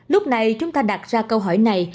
lúc này chúng ta đặt ra câu hỏi này